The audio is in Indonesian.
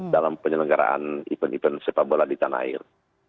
dalam penyelenggaraan event event sepabola di tanah air